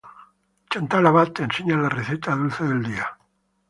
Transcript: Chantal Abad te enseña la receta dulce del dia.